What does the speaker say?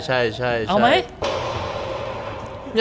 เอาไหม